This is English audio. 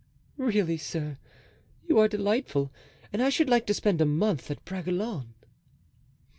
"Really, sir, you are delightful, and I should like to spend a month at Bragelonne."